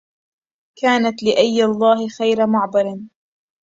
كانـت لآي الله خـيـر معـبـر